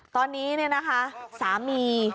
ตอนนี้นะคะสามี